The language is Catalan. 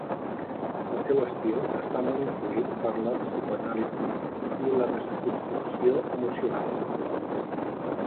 El seu estil està molt influït per la psicoanàlisi i la desconstrucció emocional.